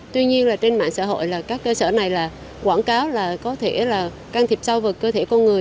tuy nhiên trên mạng xã hội các cơ sở này quảng cáo có thể can thiệp sau vật cơ thể con người